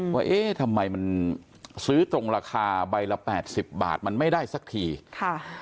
ว่าเอ๊ะทำไมมันซื้อตรงราคาใบละแปดสิบบาทมันไม่ได้สักทีค่ะ